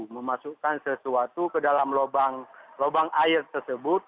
memasukkan sesuatu ke dalam lubang air tersebut